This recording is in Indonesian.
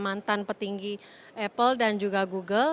mantan petinggi apple dan juga google